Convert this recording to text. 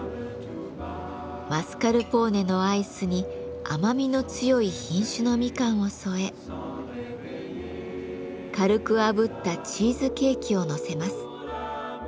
マスカルポーネのアイスに甘みの強い品種のミカンを添え軽くあぶったチーズケーキをのせます。